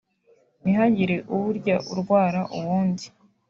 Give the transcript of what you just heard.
ntihagire uwurya urwara uwundi